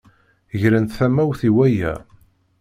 Grent tamawt i waya.